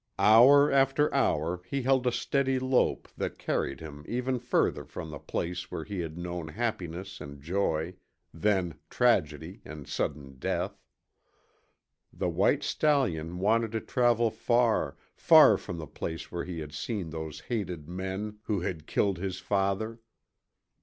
Hour after hour he held a steady lope that carried him ever further from the place where he had known happiness and joy, then tragedy and sudden death. The white stallion wanted to travel far, far from the place where he had seen those hated men who had killed his father.